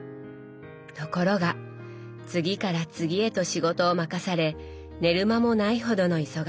ところが次から次へと仕事を任され寝る間もないほどの忙しさ。